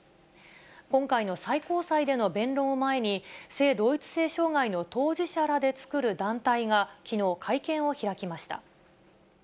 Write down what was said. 今回の最高裁での弁論を前に、性同一性障害の当事者らで作る団体が、きのう、会見を開きました。